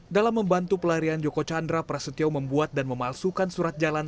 dalam membantu pelarian joko chandra prasetyo membuat dan memalsukan surat jalan